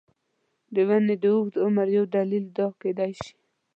د ونې د اوږد عمر یو دلیل دا کېدای شي.